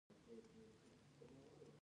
روغ خوښ مخکښ اوسی.پر الله د سپارم